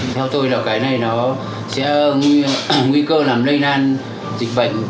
theo tôi là cái này nó sẽ nguy cơ làm lây nan dịch bệnh cho da cầm và gây ảnh hưởng đến sức khỏe của người tiêu dùng